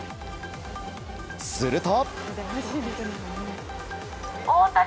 すると。